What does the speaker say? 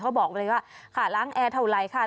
เขาบอกเลยว่าค่ะล้างแอร์เท่าไรค่ะ